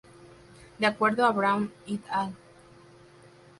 De acuerdo a Brown "et al.